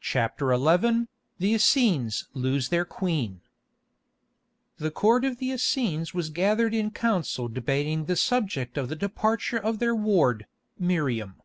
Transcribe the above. CHAPTER XI THE ESSENES LOSE THEIR QUEEN The Court of the Essenes was gathered in council debating the subject of the departure of their ward, Miriam.